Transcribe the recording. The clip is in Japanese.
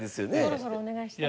そろそろお願いしたい。